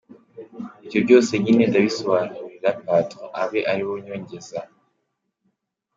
Ibyo byose nyine ndabisobanurira patron abe ari we unyongeza….